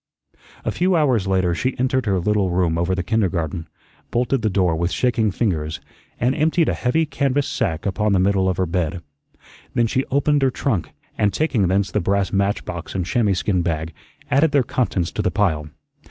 A few hours later she entered her little room over the kindergarten, bolted the door with shaking fingers, and emptied a heavy canvas sack upon the middle of her bed. Then she opened her trunk, and taking thence the brass match box and chamois skin bag added their contents to the pile.